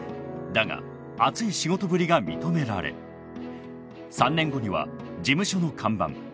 だが熱い仕事ぶりが認められ３年後には事務所の看板